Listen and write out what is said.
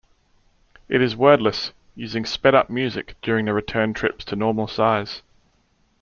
It is wordless, using sped-up music during the return trips to normal size.